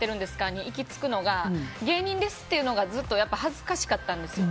に行きつくのが芸人ですというのがずっと恥ずかしかったんですよ。